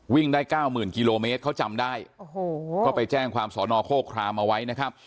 วิ่งได้เก้าหมื่นกิโลเมตรเขาจำได้โอ้โหก็ไปแจ้งความสอนอโคครามเอาไว้นะครับ